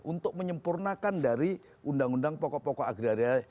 untuk menyempurnakan dari undang undang pokok pokok agraria